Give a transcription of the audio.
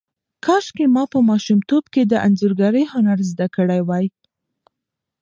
کاشکې ما په ماشومتوب کې د انځورګرۍ هنر زده کړی وای.